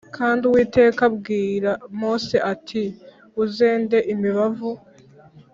kandi uwiteka abwira mose ati uzende imibavu